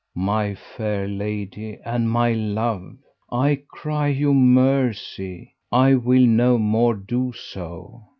My fair lady and my love, I cry you mercy, I will no more do so.